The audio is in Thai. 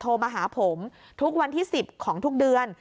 โทรมาหาผมทุกวันที่๑๐ของทุกเดือน